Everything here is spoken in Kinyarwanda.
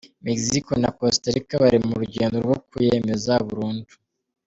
Mexico na Costa Rica bari mu rugendo rwo kuyemeza burundu.